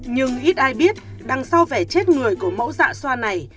nhưng ít ai biết đằng sau vẻ chết người của mẫu dạ xoa này